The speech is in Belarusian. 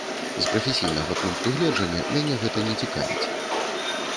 З прафесійнага пункту гледжання мяне гэта не цікавіць.